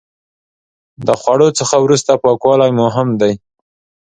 د خوړو څخه وروسته پاکوالی مهم دی.